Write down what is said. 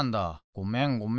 ごめんごめん。